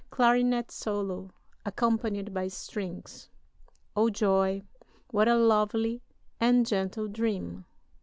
[Clarinet solo, accompanied by strings.] O joy! What a lovely and gentle dream!